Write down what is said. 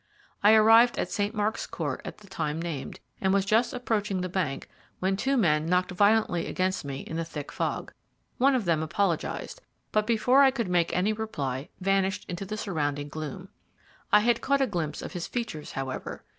I arrived at St. Mark's Court at the time named, and was just approaching the bank when two men knocked violently against me in the thick fog. One of them apologized, but before I could make any reply vanished into the surrounding gloom. I had caught a glimpse of his features, however.